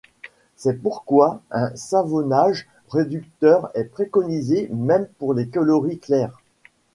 C'est pourquoi un savonnage réducteur est préconisé, même pour les coloris clairs.